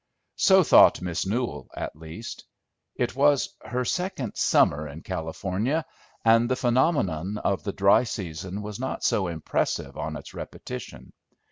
So thought Miss Newell, at least. It was her second summer in California, and the phenomenon of the dry season was not so impressive on its repetition.